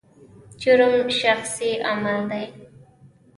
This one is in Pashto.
جرم شخصي عمل دی.